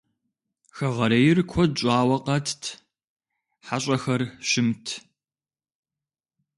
Хэгъэрейр куэд щӀауэ къэтт, хьэщӏэхэр щымт.